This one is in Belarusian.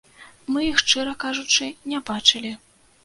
Мы іх, шчыра кажучы, не бачылі.